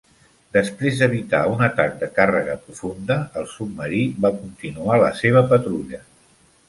Després d'evitar un atac de càrrega profunda, el submarí va continuar la seva patrulla.